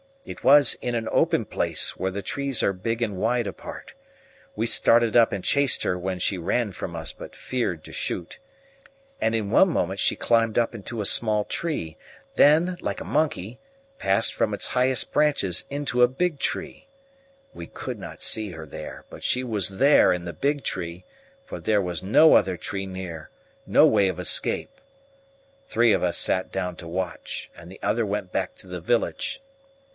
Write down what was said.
It was in an open place, where the trees are big and wide apart. We started up and chased her when she ran from us, but feared to shoot. And in one moment she climbed up into a small tree, then, like a monkey, passed from its highest branches into a big tree. We could not see her there, but she was there in the big tree, for there was no other tree near no way of escape. Three of us sat down to watch, and the other went back to the village.